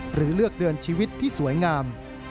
หรือเลือกเดินชีวิตที่สวยงาม